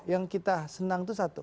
yang kita senang itu satu